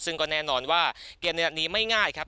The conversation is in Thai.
ซึ่งก็แน่นอนว่าเกมในวันนี้ไม่ง่ายครับ